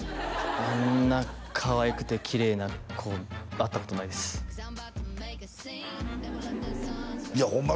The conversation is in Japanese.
あんなかわいくてきれいな子会ったことないですいやホンマ